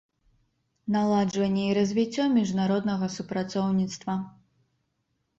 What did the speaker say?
Наладжванне i развiццё мiжнароднага супрацоўнiцтва.